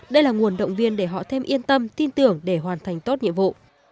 đây là nguồn động viên để họ thêm yên tâm tin tưởng để hoàn thành tốt nhiệm vụ